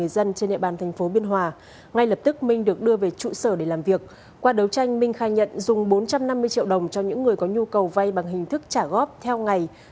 xin chào các bạn